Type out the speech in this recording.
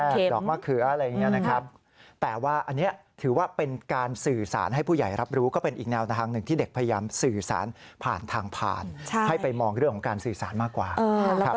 พวกเขาตอกดอกแรกดอกเข็มดอกมะเขืออะไรอย่างนี้นะครับ